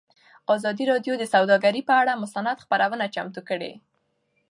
ازادي راډیو د سوداګري پر اړه مستند خپرونه چمتو کړې.